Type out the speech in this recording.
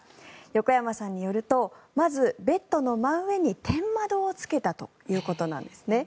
横山さんによるとまずベッドの真上に天窓をつけたということなんですね。